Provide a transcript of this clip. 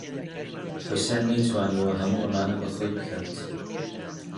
حوسێن نەیتوانیوە هەموو ئەمانە بە خۆی بکات.